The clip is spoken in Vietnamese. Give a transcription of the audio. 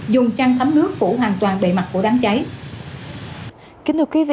dùng chăn thấm nước phủ hoàn toàn bề mặt của đám cháy